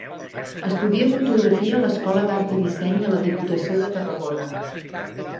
Estudia fotografia a l’Escola d’Art i Disseny de la Diputació de Tarragona.